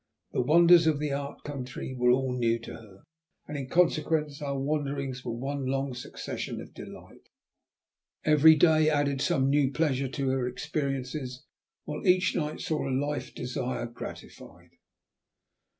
The wonders of the Art Country were all new to her, and in consequence our wanderings were one long succession of delight. Every day added some new pleasure to her experiences, while each night saw a life desire gratified.